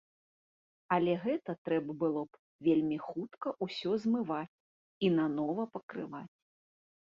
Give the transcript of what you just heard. Але гэта трэба было б вельмі хутка ўсё змываць і нанова пакрываць.